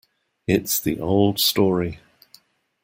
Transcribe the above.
It's the old story.